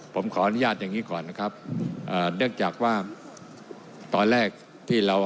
ผมขออนุญาตอย่างงี้ก่อนนะครับเอ่อเนื่องจากว่าตอนแรกที่เรา